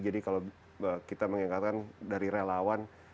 kalau kita mengingatkan dari relawan